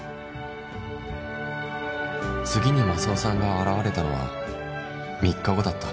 次にマサオさんが現れたのは３日後だった